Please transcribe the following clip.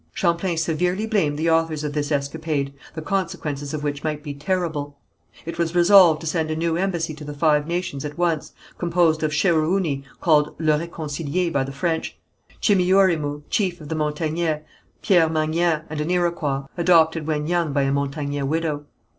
Champlain severely blamed the authors of this escapade, the consequences of which might be terrible. It was resolved to send a new embassy to the Five Nations at once, composed of Cherououny called Le Réconcilié by the French, Chimeourimou, chief of the Montagnais, Pierre Magnan, and an Iroquois, adopted when young by a Montagnais widow.